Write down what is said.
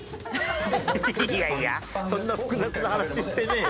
いやいやそんな複雑な話してねえよ！